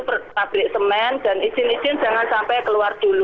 pabrik semen dan izin izin jangan sampai keluar dulu